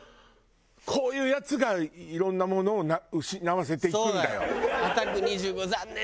こういうヤツがいろんなものを失わせていくんだよ。